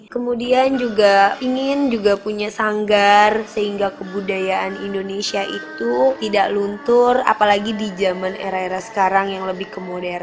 kemudian juga ingin juga punya sanggar sehingga kebudayaan indonesia itu tidak luntur apalagi di zaman era era sekarang yang lebih ke modern